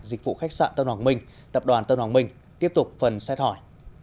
dịch vụ khách sạn tân hoàng minh tập đoàn tân hoàng minh tiếp tục phần xét hỏi